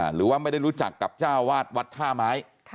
หรือว่าไม่ได้รู้จักกับเจ้าวาดวัดท่าไม้